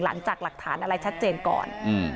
หลังจากหลักฐานอะไรชัดเจนก่อน